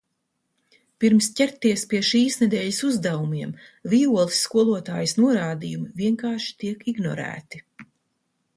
Pirms ķerties pie šīs nedēļas uzdevumiem... Vijoles skolotājas norādījumi vienkārši tiek ignorēti...